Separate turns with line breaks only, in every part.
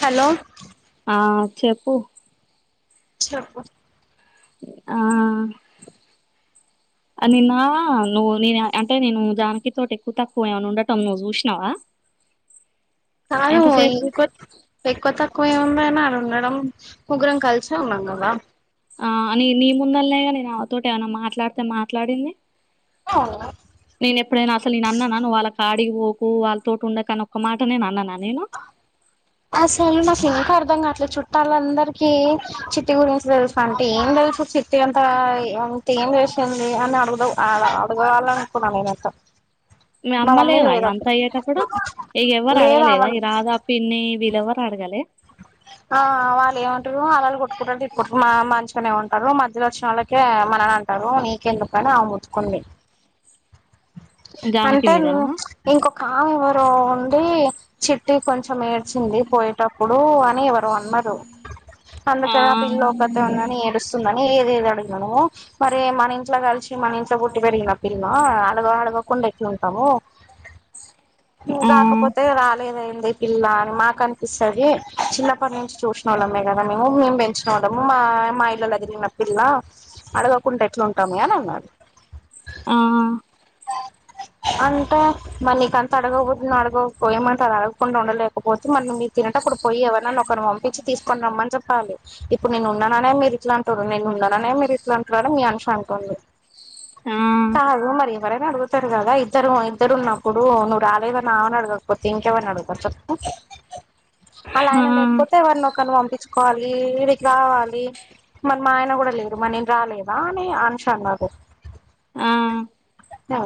Hello
ఆ చెప్పు
చెప్పు
ఆ నిన్న నువ్వు నే అంటే నేను దానికి తోటి ఎక్కువ తక్కువ ఏమన్నా ఉండటం నువ్వు చూసినావా
కాదు ఇ
ఎంతసేపు
క్వ ఎక్కువ త క్కువేం ఉండడం ముగ్గురం కలిసే ఉన్నాం కదా
ఆ నేను నీ ముందల్నే అడిగినా నాతోటి ఏమైనా మాట్లాడితే మాట్లాడింది
అవును
యాడికిపోకు వాళ్ళతోటి ఉండకని ఒక్క మాట నేను అన్ననా
అసల్ [inaudible] ంగా అట్లా చుట్టాలందరికీ చిట్టి గురించి తెలుసు అంటే ఏం తెలుసు చిట్టి అంతా ఏం ఇంకా ఏం చేసిన [inaudible] అడుగుతావు అ అ వాళ్ళని అడగల్లనుకున్నా నేనైతే
మీ
మా మమ్మీ
అమ్మలేదా
లేదు
ఇదంతా
అప్పుడు
అయ్యేటప్పుడు ఇక ఎవ్వరు
లేదు
అడగలేదా
వాళ్ళు
ఈ రాధ పిన్ని వీళ్లెవరు అడగలే
ఆ వాళ్ళు ఏమంటారు వాళ్ళను కొట్టుకుంటారు ఆ మంచిగానే ఉంటారు మధ్యలో వచ్చిన వాళ్ళకే మనని అంట నీకెందుకు అని ఆమె ముడ్చుకుంది
జానకి
అంటే
మీదనా
ఇంకొక [inaudible] ఎవరు ఉంది చిట్ ట్టి కొంచెం ఏడ్చింది పోయేటప్పుడు అని ఎవరో అన్నారు అందుకని ఆ పిల్ల ఒకతే ఉందని ఏడుస్తుంద ఏది ఏది అడిగను మరి మన ఇంట్లో కలిసి మన ఇంట్లో పుట్టి పెరిగిన పిల్ల అడగకుండా ఎట్లుంటాము
ఆ
రాకపోతే రాలేదే ఈ పిల్ల అని మాకు అనిపిస్తది చిన్నప్పటి నుంచి చూసిన వాళ్ళమే కదా మేము మేము పెంచు చూడం మా మా ఇళ్లలో తిరిగిన పిల్ల అడగకుండా ఎట్లుంటాము అని అన్నది
ఆ
అంటే మనీకి అంత అడగవు కాదు నార్మల్ [unintelligible] లేకపోతే మళ్ళీ మీరూ తినే అప్పుడు పోయి ఎవరినైనా ఒకరిని పంపించి తీసుకుని రమ్మని చెప్పాలి ఇప్పుడు నేను ఉన్నాననే మీరు ఇట్లా అంటురు నేను ఉన్నాననే మీరు ఇట్లా అంటురు అని మీ అనిషం అంటుంది
ఆ
కాదు మరి ఎవరైనా అడుగుతారు కదా ఇద్దరు ఇద్దరు ఉన్నప్పుడు నువ్వు రాలేదనీ ఆమెనడగకపోతే ఇంకెవరిని అడుగుతారు చెప్పు వాళ్ళయన
ఆ
లేకపోతే ఎవర్నో ఒకరిని పంపించు కోవాలి ఈడికి రావాలి మన్నాయన కూడా లేరు మరి నేను రాలేదా అనీ అనూష అన్నది
ఆ
ఆ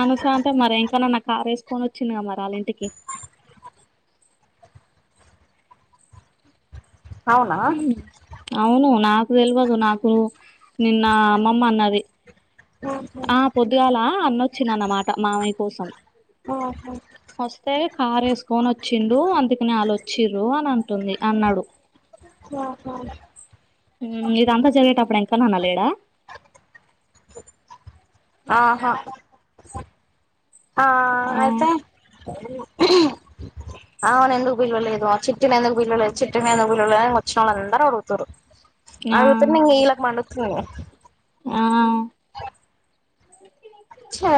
అనూష అంటే మరి ఇంకా [unintelligible] కార్ వేసుకొని వచ్చిందిగా మరి వాళ్ళ ఇంటికి
అవునా
మ్మ్ అవును నాకు తెల్వదు నాకు నిన్న అమ్మమ్మ అన్నది ఆ పొద్దుగాల అన్నొచ్చినన్నమాట మామయ్య కోసం
ఓహో
కార్ వేసుకొని వచ్చిండు అందుకనే వాళ్ళ వచ్చిర్రు అని అంటుంది అన్నాడు
ఆహా
ఇదంతా జరిగేటప్పుడు ఎంకన్నన్న లేడా
ఆహా ఆ
ఆ
అయితే ఆవనేందుకు బిల్వలేదు ఆ చిట్టీనెందుకు బిల్వలేదు చిట్టీనెందుకు బిల్వలేదు వచ్చినోళ్లందరు అడుగుతురు
ఆ
అగుత న ఇలా్ మతుని
ఆ ఆ
చ్చా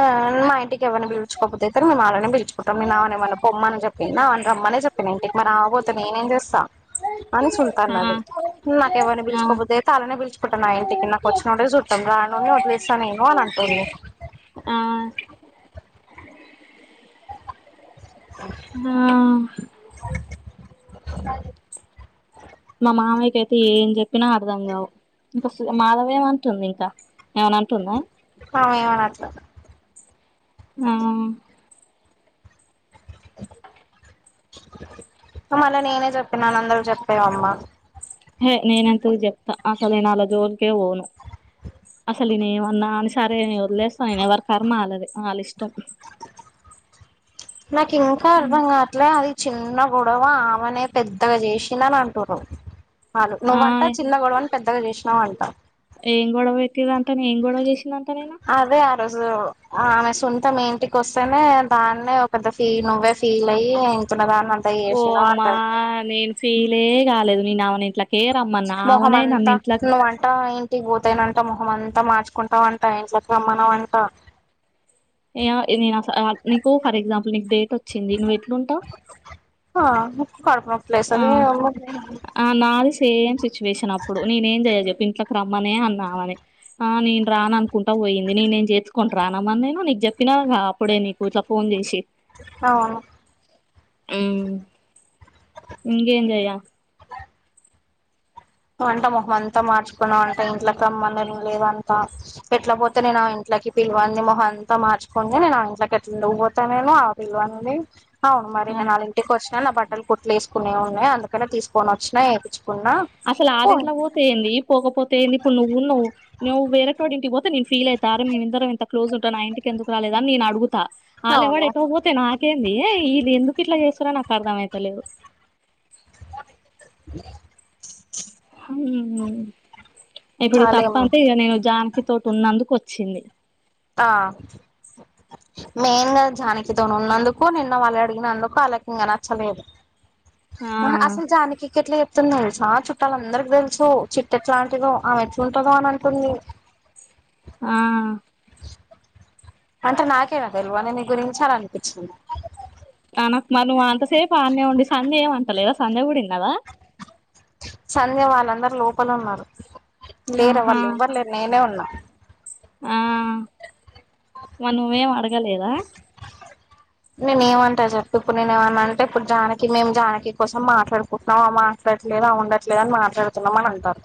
మా ఇంటికెవరిని పీల్చుకొబుదైతే మీమలనే పిచుకుంటాం నీన్ ఆమెనేమ్మాన పొమ్మనిచేపిన అవ్ రమ్మనే చెప్పింది ఇంటి ఇ మ రాకబోతే నేనేం చేస్తాను అని చుంటాను
ఆ
అది నాకు ఎవరిని
ఆ
పిలుచుకపోతేయితే అలానే పిలుచు ఇ న ఇట్కిి నాకు వచ్చినోడే చుట్టం రా నుంని వదిలేస్తా నేను అంటుంది
ఆ ఆ
సాది
మా మావయ్యకైతే ఏచేపినా అర్ధం కావు ఇంకోసూది మాదేవమంటుంది ఇంకా ఏమన్నటుందా
అ ఏమనట్
ఆ
మళ్ళీ నేనే చెప్పినను అందరూ చెప్పేవమ్మా
హే నేనెంతూ చెప్తా ఆసలు ననాల జోర్క ఓను అసలు నేనేమన్నా అని సరే నే వదిలేస్తా నీన్ ఎవరి కర్మ అలాదే ఆలిష్టం
నాకు ఇంకా అర్థం గాట్లే అది చిన్న గొడవ ఆమెనే పెద్దగా చేసిినని అంటు్ర ఆలు
ఆ
నువ్వంటా చిన్న గొడవని పెద్దగా చేచినవంట
ఏం గొడవ పెట్టిరంటుంది ఏం గొడవ చేసినంత నీను
ఓజు ఆమె సొంతం ఇంటికొస్తానే దాన్నే ఒక పెద్ద ఫీన్ నువ్వే ఫీలాయి ఇంత్తునదాని
ఓ అమ్మా నీన్ ఫీలే కాలేదు నేనావన్ ఇంట్లక్
మొహమంతా నువంటాయి కి పోతానంట మొహం అంతా మార్చుకుంటావంట ఇంట్లకి రమ్మనవంట
ఇయ్య నీన్ అసలు ఆ నీకు ఫర్ ఎగ్జాంపుల్ నీకు డేట్ వచ్చింది ఎట్లుంటావ్
ఆ కడుకు ప్లేస్ అది
ఆ ఆ నాది సేమ్ సిచ్యువేషన్ అప్పుడు నేనే ఏం చెయ్యాలె చెప్ప ఇంట్లోకి రమ్మనే అన్నా ఆవ ని ఆ నేను రాను అనుకుంటా పోయింది నే నేను చేతుకోంటని రానమని నేను నీకు చెప్పినా అప్పుడే నీకు ఇట్లా ఫోన్ చేసి హ్మ్.
అవు
ఇంకేం చేయ్య
అంట మొహం అంతా మార్చుకున్నావు అంట ఇంట్లోకి రమ్మం లేదంతా ఎట్లా పోతే నేను ఇంట్ ఇట్లకి పిల్వని మొహంంతా మార్చుకొని నేను ఆ ఇంట్లోకి ఎట్లా ఉండ పోతా నేను ఆ పిల్వని అవునమ్మారి
ఆ
నీన్ అళ్ళింటికొచ్చిన నా బట్టలు కుట్లేసుకొనున్నాయి అందుకనే తీసుకొనొచ్చిన ఏదీ కున్నా
అసలు ఆదింట్లో పోతేఏంది పోకపోతేఎంది ఇప్పుడు నువ్వు ఉన్నావు నువ్ వేరేటోడింటికి పోతే నీన్ ఫీలైత అదే మేమిందరం ఇంత క్లోసుంట్రా నా ఇంటికి ఎందుకు రాలేదని నేన్ అడుగుతా ఆలేవాడ్
అవును
ఎటుపోతే నాకేంది ఇల్లేందుకిట్ల చేసురో నాకర్దిమైతలే ఇప్పుడు తప్ప
అలేం
అంతే ఇక నేను జానకి తోటి ఉన్నందుకు వచ్చింది
ఆ మెన్గా జానకితో జానకితోనునందుకు నిన్న మల్యాడ్ దినందుకు అల్లకింగా నచ్చలేదు
ఆ
అసలు జానకీకెట్ల చెప్ త్తును చాలా చుట్టాలందర్కి తెల్సు చిట్టేట్లటిదో అవే ఏంట్లూటదో అంటుంది
ఆ
అంటే నాకేనా తెల్వంది నీ గురించి అననిపించింది
తనకు మను అంతసేపు ఆన్నే ఉండి సందే ఏమంటలేదా సంధ్య కూడా ఇన్నదా
సంధ్యవాలందరు లోపలున్నారు లేర్
ఆహా
ఎవర్లేరు నీనే ఉన్నా
ఆ మను నువ్వేం అడగలేదా
నేను ఏమంటా చెప్ప ఇప్పుడు నేను ఏమన్నా అంటే ఇప్పుడు జానకి మేము జానకి కోసం మాట్లాడుకుంటున్నాం మా మాట్లాడట్లేవా ఉండట్లేదని మాట్లాడుతున్నామా అని అంటారు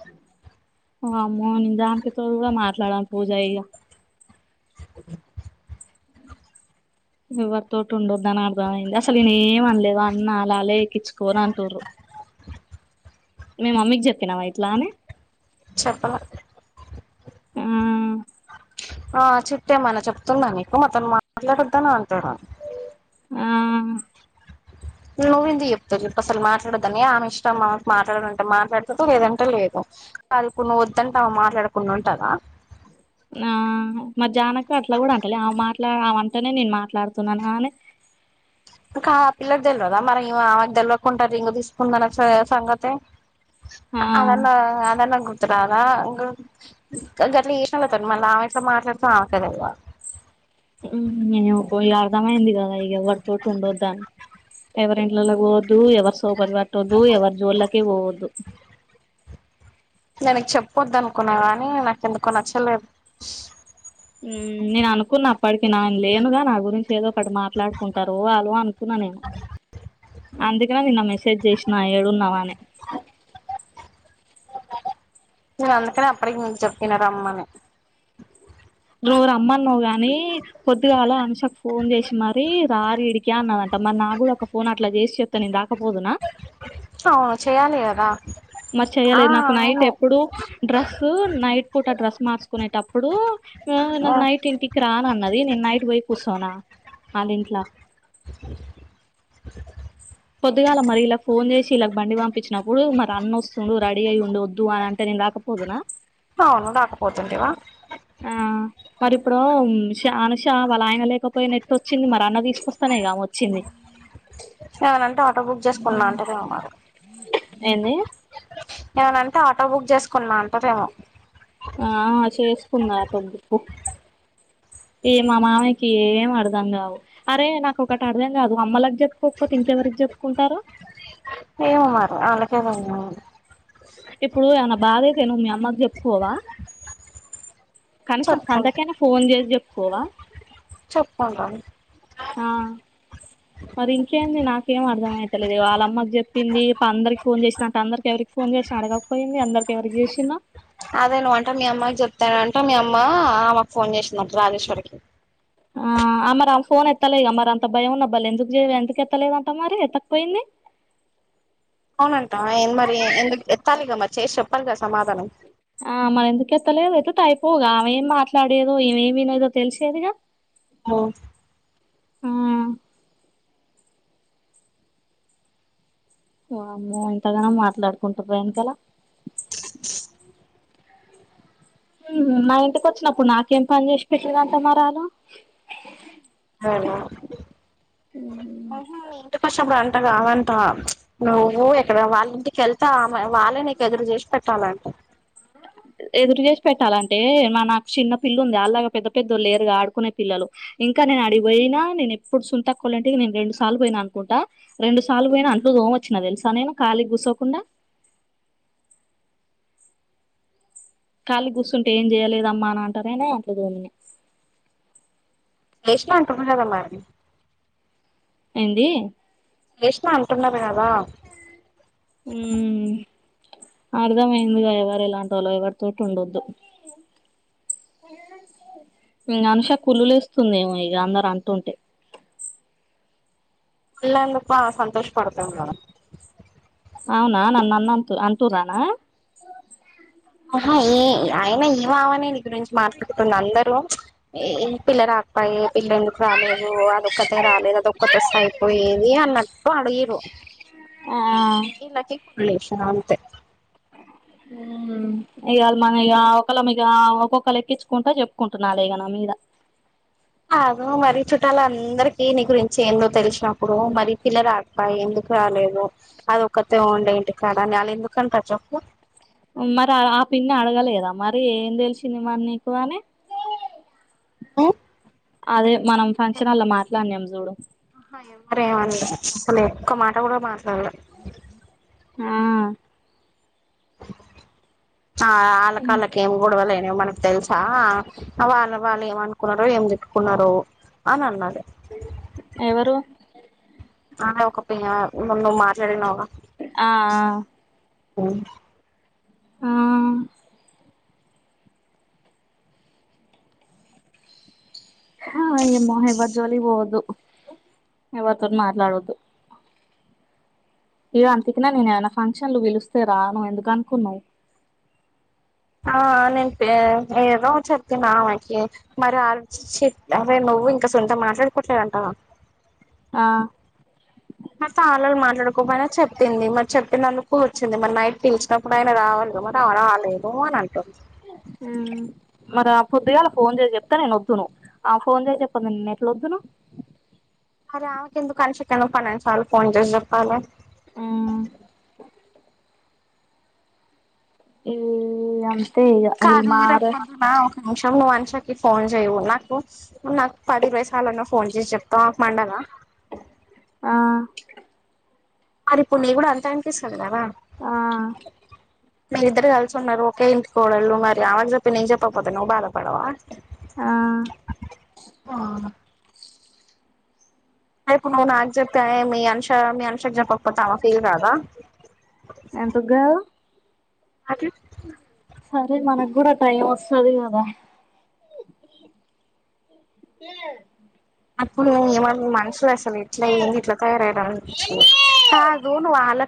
వామ్మో నిజానికితోడు గూడా మాట్లాడన్ పూజ అయ్యా
చెప్పందు
ఎవరితోటు ఉండొద్దన్నరు రా ఏంది అసలు నేన్ ఏమిఅనలేదు అన్ అలాలే ఎక్కిచ్చుకొరు అంటుర్రు మేము మమ్మీకి జెప్పినావా ఇట్లా అని
చెప్పల
ఉఆ
ఆ చొప్తే ఏమన్న చెప్తుంద నీకు మాతోను మాట్లాడొద్దాని అంటారు
ఆ
నువ్వెందుకు జేప్తావు జొప్పు అసలు మాట్లాడద్దని ఆమె ఇష్టం మా మాట్లాడలంటే మాట్లాడతుదు లేదంటే లేదు కాదు ఇప్పుడు నువ్వొంటే ఆమ మాట్లాడకుండ వుంటాద
నా మా జానకీ అట్లా గూడా అంటలే ఆమ మాట్లా ఆమ అంటనే నేను మాట్లాడుతున్నానా అని
ఇంకా ఆ పిల్లక్ తెల్వదా మరి ఈమ ఆమెకు దెల్వకుంటా రింగు దీసుకున్నానా సే సంగతి
ఆ
అవన్నా అదన్నా గుర్త్ ర్తు రాద గొ గట్లా చేసినోళ్లతోని మళ్ళా ఆమెట్లా మాట్లాడతో ఆమెకే తెల్వల్
[unintelligible] అర్దమైయింది గదా ఇగ ఎవరితోటి ఉండొద్దని ఎవరింట్లల్లోకి బోవద్దు ఎవరి సోపన్ పట్టద్దు ఎవర్ జోళ్ల కి పోవద్దు
ఇంగ నేకు చెప్పొద్దు అనుకున్నా గానీ నాకెందుకో నచ్చలేదు
ఊమ్ నేను అనుకున్న అప్పటికీ నాను లేనుగా నా గురించి ఏదో ఒకటి మాట్లాడుకుంటారు వాళ్ళు అనుకున్నా నేను అందుకనే నిన్న మెసేజ్ జేసినా ఏడున్నావని
నేను అందుకనే అప్పడికి నీక్ చొప్పిన రమ్మని
నువ్వు రమ్మన్నావ్ గాని పొద్దిగాల అనుషకు ఫోన్ జేషో మరి రార్రీడికి అన్నద అత్తమ్మ నాగ్గుడా ఒక ఫోన్ అట్లా జేసి చెప్తే నేను రాకపోదునా
అవును చేయాలి గదా
మరి చెయ్యలే నాకు నైట్ ఎప్పుడు డ్రస్ నైట్ పూట డ్రెస్ మార్చుకునేటప్పుడు ఆ నాకు నైట్ ఇంటికి రానన్నది నేను నైటు బోయి కుస్సోనా ఆళ్ళ ఇంట్లో పొద్దుగాల మరి ఇల్లకు ఫోన్ జేసి ఇళ్ళకు బండి పంపిచ్చినప్పుడు మరి అన్న వస్తుండు రేడీ అయ్యి ఉండు వొద్దువు అని అంటే నే ను రాకపోదునా
హా రాకపోతుంటివా
ఆ మరి ఇప్పుడు షా అనుషా వాళ్ళ ఆయన లేకపోయిన ఏట్టొచ్చింది మరి అన్న తీసుకొస్తానేగా ఆమే వచ్చింది
ఏమన్నా అంటే ఆటో బుక్ జేసుకున్నా అంటరెమో మరి
ఏంది
ఏమంన్నంటే ఆటో బుగ్ జేసుకున్నాన్
ఆ చేసుకుంది ఆటో బుక్కు ఏ మామయ్యకి ఏమర్ధం గావు అరే నాకొకటి అర్దం గాదు అమ్మాలకు జెప్పుకోకపోతే ఇంక ఎవరికి జెప్పుకుంటారు
ఏమో మరి వాళ్ళకే దెలియాలి
ఇప్పుడు ఏమన్నా భాదైతే నువ్వు మీ అమ్మకు జెప్పుకోవా కనీసం
చెప్పుకుంట
సంతకైనా ఫోన్ జేసి జెప్పుకోవా
చెప్పుకుంటాను
ఆ మరింకేంది నాక్ కేం అర్ధమయితలేదు వాళ్లమ్మక్ జేప్పింది పందరకి ఫోన్ జేసిన అందరికి ఎవరిక్ ఫోన్ చేసినా అడగకపోయింది అందరికి ఎవరికి జేషిన్నా
అదే నువ్వు అంట మీ అమ్మాయికి జెప్తానంట మీ అమ్మ ఆమకు ఫోన్ జేసిందంట రాజేశ్వరికి
ఆ మరి ఆ ఫోన్ ఎత్తలేగా మరి అంత భయం ఉన్నబలి ఎందుకు జెయ్యవే ఎందుకు ఎత్తలేదంటా మరి ఎత్తకపోయింది
అవునంట మరి ఎందుకు ఎత్తాలిగా మరి చేసి చొప్పాలిగా సమాధానం
ఆ మరి ఎందుకు ఎత్తలేవు ఎత్తితే అయిపోవుగా ఆమె ఏం మాట్లాడేదో ఈమే ఏమి వినేదో తెలిసేదిగా
మొ
ఆహ్ ఓమ్మో ఇంతగణం మాట్లాడుకుంటారు వెనకలా
[inaudible]
మా ఇంటికి వచ్చినప్పుడు నాకేం పని చేసి పెట్లేదటా మర అట
ఉహు ఇటు ప్పుడు అంట కాదంట నువ్వు ఇక్కడ వాళ్ళ ఇంటికిెళ్తా వాళ్ళే నీకు ఎదురు చేసి పె చాలంట [unintelligible]
[inaudible] ఎదురు చేసి పెట్టాలంటే మన చిన్న పిల్లు ఉంది అలాగా పెద్ద పెద్దోళ్ళ లేరుగా ఆడుకునే పిల్లలు ఇంకా ఇంగా నేను అడిగి పోయినా నేను ఎప్పుడూ సునీతక్కల్ ఇంటికి నేను రెండు సార్లు పోయినా అనుకుంటా రెండు సార్లు పోయిన అంట్లు తోమీనా వచ్చినా తెలుసా నేను కాళీగా కుసోకుండా ఖాళీగా కూర్స్తుుంటే ఏం చేయలేదమ్మా అని అంటారేనే అంట్లు తోమినా
ఏసిన అంటున్నారు కదా మరి
ఏందీ
ఏసి నా అంటున్నారు కదా
ఉమ్మ్ అర్థమైందిగా ఎవరు ఎలాంటి వాళ్ళ ఎవరితచోట ఉండద్దు ఇగా అనుషాకు కుళ్లు వస్తుందిమో ఇక అందరు అంటుంటే
పిల్లలు సంతోషపడతును గదా
అవునా నన్ను అంటుందామే
ఆహా ఈ అయన ఏ అవనే నీ గురించి మాట్లాడుతుంది అందరూ ఏ పిల్ల రాకపాయి పిల్ల ఎందుకు రాలేదు అదొక అే రాలేదు అది ఒక్క తొస్త అయిపోయేది అన్నట్టు అడిగరు
ఆహ్
ఇప్పుడు లేసిన అంతే
ఇవాళ మన ఇ ఒకళ మీ ఒక్కొక్కళ ఎక్కించుకుంటా చెప్పుకుంటున్నా ఇగ నా మీద
అగ మరి చుట్టాల అందరికిీ నీ గురించి ఏందో తెలిసినప్పుడు మరి పిల్ల రాక పాయ ఎందుకు రాలేదు అది ఒకక్కతే ఉండే ఇంటి కాడ అని వాళ్ళు ఎందుకుంటారు చెప్పు
మరి ఆ పిన్ని అడగలేదా మరి ఏం తెలిసింది మరి నీకు అని [inaudible]
ఓహ్
అదే మనం ఫంక్షన్ల్ లో మాట్లాడినాం చూడు
ఎవరు ఏమనిలా అసలు ఎ ఒక్క మాట కూడా మాట్లాడలే
ఆహ్
ఆహ్ వాళ్ళకి వాళ్ళకి ఏం గొడవలైన ఇగ మనకు తెలుసా వాళ్ళు వాళ్ళు ఏమ అనుకున్నారో ఏం తిట్టుకున్నారొ అని అన్నది
ఎవరు
దాంట్లో ఒక పిల్లా ముందు నువ్వు మాట్లాడిన
ఆహ్ అహ్
[inaudible]
అహ్మ హహే ఏమో ఎవరి జోలికి పోవద్దు ఎవరితోన మాట్లాడోద్దు ఇవ అందు కినా నేను ఏమైనా ఫంక్షన్లు పిలుస్తే రాను ఎందుకు అనుకున్నావు్
ఆహ్ నేను ఏదో చెప్పిన ఆమెకి మరి ఆచి చెప్తా నువ్వు ఇంకా సొంత మాట్లాడుకోట్లేదంటావా
ఆహ్
ఆల్రెడీ మాట్లాడుకోపోయినా చెప్పింది మరి చెప్పినందుకు వచ్చింది మరి నైట్ పిలిచమూ ఇప్పుడు ఆయన రావాలి క మరి అవ రాలేదు అని అంటారు
అ ఉమ్ మరి ఆ పొద్దుగాల ఫోన్ చేసి చెప్తాను నేను వద్దును ఆ ఫోన్ చేసి చెప్పనుండి నేన్న ఎట్లా వద్దును
అరే ఆమెకి ఎందుకు కనిషకి ఎందుకు పని చాలు ఫోన్ చేసి చెప్పాలి
ఆమ్ ఏ అంతే ఇగ మార
అషం లో వంషకి ఫోన్ చెయవు నాకు నాకు పది వైసాలన్నా ఫోన్ చేసి చెప్తాం నాకు మండదా
ఆ
మరి ఇప్పుడు నీ కూడా అంతే అనిపిస్తుంది కదా
ఆ
మీరు ఇద్దరు కలిసి ఉన్నారు ఒకే ఇంటికోడళ్ళు మరి ఆమెకి చెప్పి నేను చెప్పకపోతే నువ్వు బాధ పడవా
ఆ
అది ఇపుడు మీ నాన్న చేప్పామే మీ అంషా మీ అం షాకు చెప్పకపోతే ఆమె ఫీల్ కదా
ఎందుకు కాదు
అకే
సరే మనకు కూడా టైం వస్తది కదా ఏ
అప్పుడు ఏమన్నా మనుషులు అసలు ఇట్లా ఏంది ఇట్లా తయారు అయ్యారు అనిపిచింది.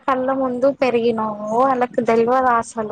కళ్ళ ముందు పెరిగినాము వాళ్ళకు దైలవదా ఆసలు